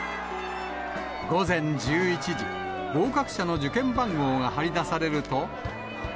午前１１時、合格者の受験番号が張り出されると。